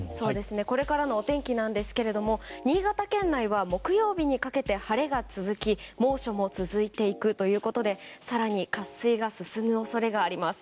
これからのお天気ですが新潟県内は木曜日にかけて晴れが続き猛暑も続いていくということで更に渇水が進む恐れがあります。